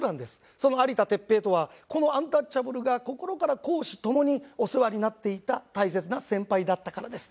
その有田哲平とはこのアンタッチャブルが心から公私共にお世話になっていた大切な先輩だったからです。